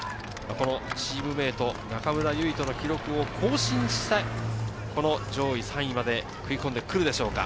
チームメート中村唯翔の記録を更新したい、上位３位まで食い込んでくるでしょうか。